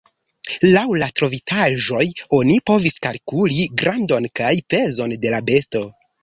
Laŭ la trovitaĵoj oni povis kalkuli grandon kaj pezon de la besto.